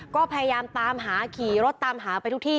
ก็พยายามตามหาขี่รถตามหาไปทุกที่